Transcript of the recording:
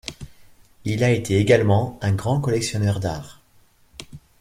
Il a été également un grand collectionneur d'art.